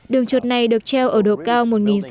đường trượt này được treo ở độ cao